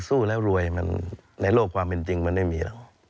สู้แล้วรวยในโลกความจริงมันไม่มี